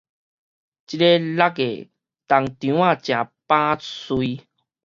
這个六月冬稻仔誠飽穗